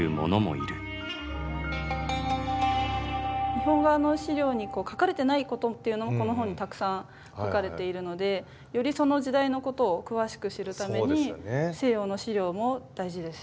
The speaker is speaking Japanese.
日本側の史料に書かれてないことっていうのもこの本にたくさん書かれているのでよりその時代のことを詳しく知るために西洋の史料も大事です。